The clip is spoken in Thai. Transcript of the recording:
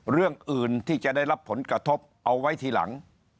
เรื่องอื่นที่จะได้รับผลกระทบเอาไว้ทีหลัง